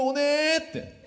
って。